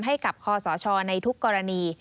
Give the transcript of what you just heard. ให้กับคอสชในทุกกรณี